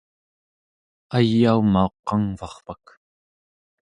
ayaumauq qangvarpak